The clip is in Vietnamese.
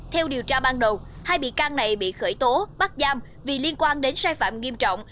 theo điều tra ban đầu hai bị can này bị khởi tố bắt giam vì liên quan đến sai phạm nghiêm trọng